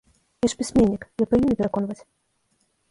Я ж пісьменнік, я павінна пераконваць.